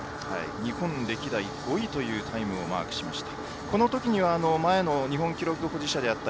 日本歴代５位のタイムをマークしました。